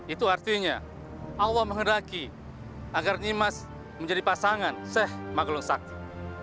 itu artinya allah menghendaki agar nimas menjadi pasangan seh magelang sakti